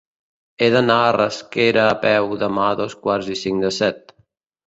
He d'anar a Rasquera a peu demà a dos quarts i cinc de set.